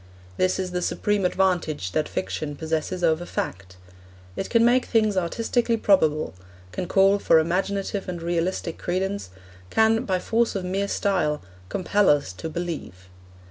This is the supreme advantage that fiction possesses over fact. It can make things artistically probable; can call for imaginative and realistic credence; can, by force of mere style, compel us to believe.